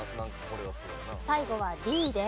最後はＤです。